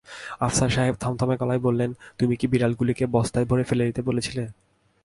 আফসার সাহেব থমথমে গলায় বললেন, তুমি কি বিড়ালগুলিকে বস্তায় ভরে ফেলে দিতে বলেছিলে?